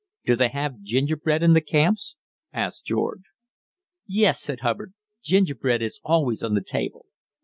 "Do they have gingerbread in the camps?" asked George. "Yes," said Hubbard; "gingerbread is always on the table."